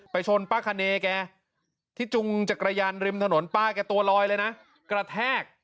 ชนป้าคะเนยแกที่จุงจักรยานริมถนนป้าแกตัวลอยเลยนะกระแทก